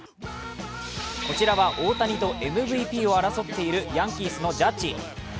こちらは大谷とＭＶＰを争っているヤンキースのジャッジ。